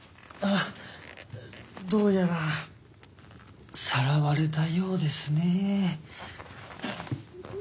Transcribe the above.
どうやらさらわれたようですねえ。